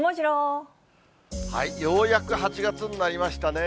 ようやく８月になりましたね。